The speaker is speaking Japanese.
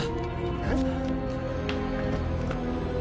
えっ？